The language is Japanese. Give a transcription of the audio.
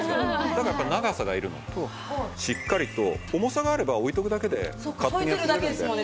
だからやっぱり長さがいるのとしっかりと重さがあれば置いておくだけで勝手にやってくれるので。